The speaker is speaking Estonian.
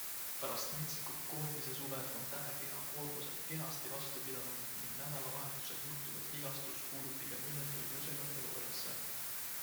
Pärast metsikut koondisesuve on Tähe keha koormusele kenasti vastu pidanud ning nädalavahetusel juhtunud vigastus kuulub pigem õnnetu juhuse kategooriasse.